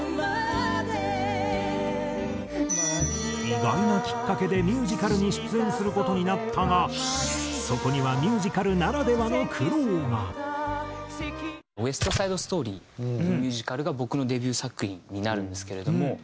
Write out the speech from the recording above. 意外なきっかけでミュージカルに出演する事になったがそこには『ウエスト・サイド・ストーリー』ってミュージカルが僕のデビュー作品になるんですけれども。